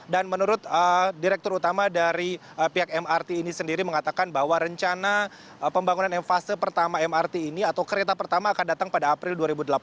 dan menurut direktur utama dari pihak mrt ini sendiri mengatakan bahwa rencana pembangunan fase pertama mrt ini atau kereta pertama akan datang pada april dua ribu delapan belas